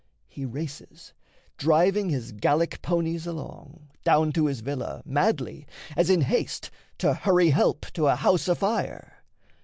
He races, driving his Gallic ponies along, Down to his villa, madly, as in haste To hurry help to a house afire.